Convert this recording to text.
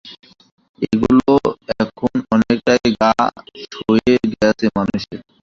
এগুলো এখন অনেকটাই গা সয়ে গেছে মানুষের।